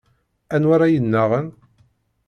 Anwa ara yennaɣen?